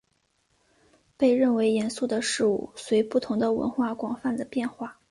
被认为严肃的事物随不同的文化广泛地变化。